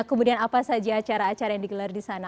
kemudian apa saja acara acara yang digelar di sana